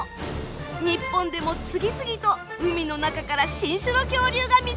日本でも次々と海の中から新種の恐竜が見つかっています。